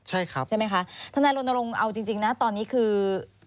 ใช่ครับใช่ไหมคะทนายรณรงค์เอาจริงนะตอนนี้คือ